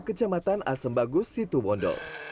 kecamatan asem bagus situwondo